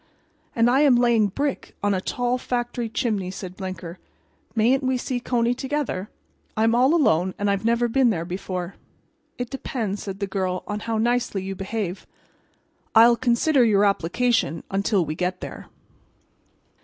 "And I am laying brick on a tall factory chimney," said Blinker. "Mayn't we see Coney together? I'm all alone and I've never been there before." "It depends," said the girl, "on how nicely you behave. I'll consider your application until we get there."